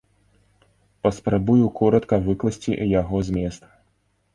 Паспрабую коратка выкласці яго змест.